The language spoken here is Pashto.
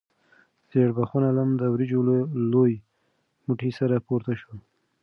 ژیړبخون لم د وریجو له لوی موټي سره پورته شو.